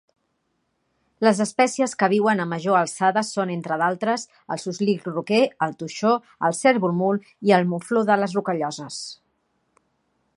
Les espècies que viuen a major alçada són, entre d'altres, el suslic roquer, el toixó, el cérvol mul i el mufló de les rocalloses.